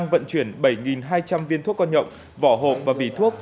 hai nghìn hai trăm linh viên thuốc con nhộng vỏ hộp và bỉ thuốc